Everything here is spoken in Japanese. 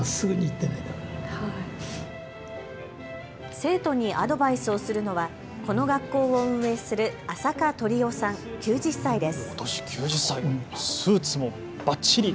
生徒にアドバイスをするのはこの学校を運営する安積登利夫さん、９０歳です。